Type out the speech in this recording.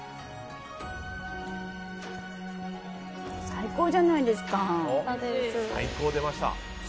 最高じゃないですか。